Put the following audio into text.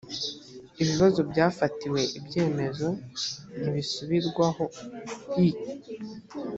ibibazo byafatiwe ibyemezo ntibisubirwahoi